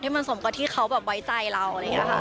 ให้มันสมกับที่เขาแบบไว้ใจเราแล้วค่ะ